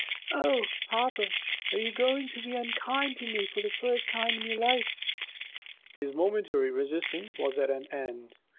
"Oh, papa, are you going to be unkind to me for the first time in your life?" His momentary resistance was at an end.